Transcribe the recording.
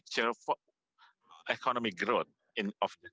pertanyaannya tentang masa depan